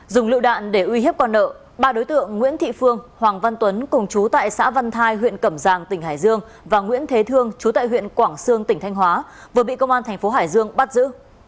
dùng lựu đạn để uy hiếp con nợ ba đối tượng nguyễn thị phương hoàng văn tuấn cùng chú tại xã văn thai huyện cẩm giang tỉnh hải dương và nguyễn thế thương chú tại huyện quảng sương tỉnh thanh hóa vừa bị công an thành phố hải dương bắt giữ